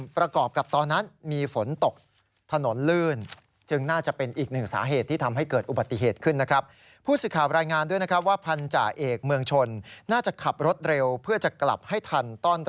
ประกอบกับตอนนั้นมีฝนตกถนนลื่น